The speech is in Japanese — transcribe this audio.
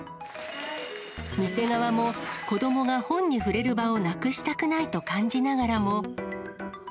店側も、子どもが本に触れる場をなくしたくないと感じながらも。